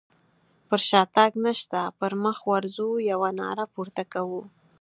پر شاتګ نشته پر مخ ورځو يوه ناره پورته کوو.